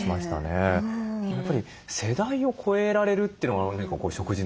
やっぱり世代を超えられるというのが食事のね